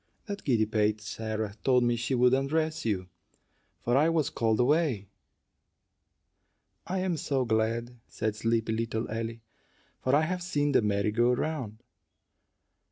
That giddy pate Sarah told me she would undress you, for I was called away." "I am so glad," said sleepy little Ellie, "for I have seen the merry go round."